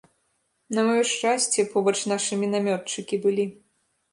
На маё шчасце, побач нашы мінамётчыкі былі.